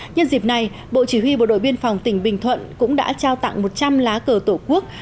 nhân dịp này bộ chỉ huy bộ đội biên phòng tỉnh bình thuận cũng đã trao tặng một trăm linh lá cờ tổ quốc